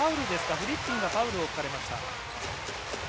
フリッピンがファウルをとられました。